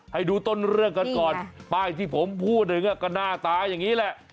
ให้ดูต้นเรื่องกันก่อนป้ายที่ผมพูดถึงก็หน้าตาอย่างนี้แหละ